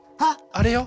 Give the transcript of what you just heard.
あれよ！